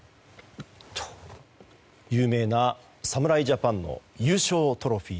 有名な侍ジャパンの優勝トロフィー。